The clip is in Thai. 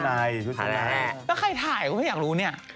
แล้วใครถ่ายก็ไม่อยากรู้เนี่ย